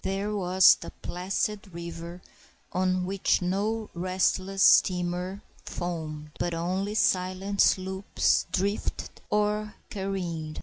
There was the placid river, on which no restless steamer foamed, but only silent sloops drifted or careened.